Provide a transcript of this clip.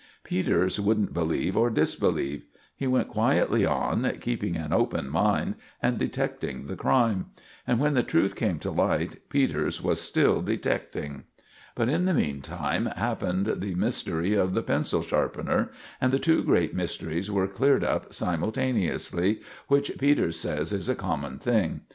Peters wouldn't believe or disbelieve. He went quietly on, keeping an open mind and detecting the crime; and when the truth came to light, Peters was still detecting. But in the meantime happened the mystery of the pencil sharpener, and the two great mysteries were cleared up simultaneously, which Peters says is a common thing.